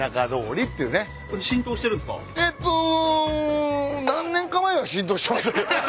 えっと何年か前は浸透してました。